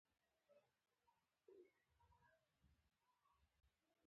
حیوانات احساسات لري